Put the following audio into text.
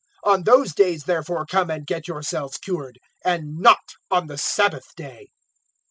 On those days therefore come and get yourselves cured, and not on the Sabbath day."